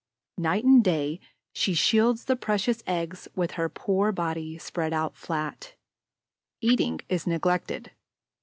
Night and day, she shields the precious eggs with her poor body spread out flat. Eating is neglected.